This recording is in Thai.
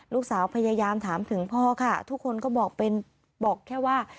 ลูกสาวพยายามถามถึงพ่อค่ะทุกคนก็บอกเป็นบอกแค่ว่า